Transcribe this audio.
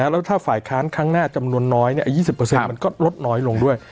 แล้วถ้าฝ่ายค้านครั้งหน้าจำนวนน้อย๒๐มันก็ลดน้อยลงด้วย